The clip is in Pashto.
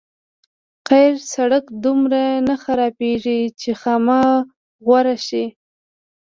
قیر سړک دومره نه خرابېږي چې خامه غوره شي.